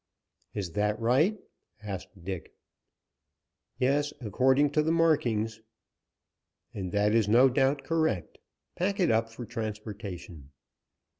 "Is that right?" asked Dick. "Yes, according to the markings." "And that is no doubt correct. Pack it up for transportation."